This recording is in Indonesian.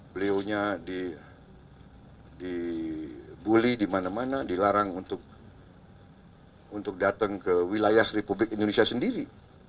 beliaunya dibully di mana mana dilarang untuk datang ke wilayah republik indonesia sendiri